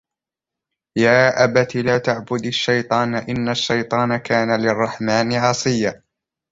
يا أبت لا تعبد الشيطان إن الشيطان كان للرحمن عصيا